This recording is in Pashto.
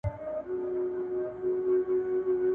يوه ول مال مي تر تا جار، بل خورجين ورته ونيوی.